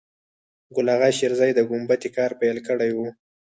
ګل آغا شېرزی د ګومبتې کار پیل کړی و.